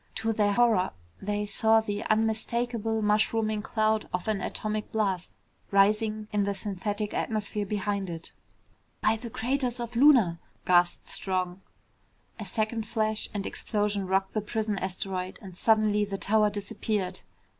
To their horror, they saw the unmistakable mushrooming cloud of an atomic blast rising in the synthetic atmosphere behind it. "By the craters of Luna " gasped Strong. A second flash and explosion rocked the prison asteroid and suddenly the tower disappeared.